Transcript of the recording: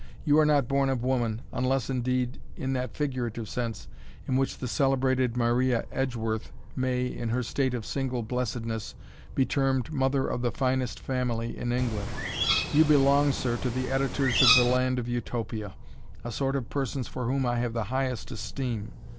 You are not born of woman, unless, indeed, in that figurative sense, in which the celebrated Maria Edgeworth may, in her state of single blessedness, be termed mother of the finest family in England. You belong, sir, to the Editors of the land of Utopia, a sort of persons for whom I have the highest esteem.